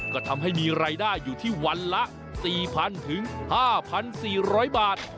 ก็ทำให้มีรายได้อยู่ที่วันละ๔๐๐๐๕๔๐๐บาท